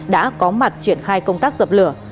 đã có mặt triển khai công tác dập lửa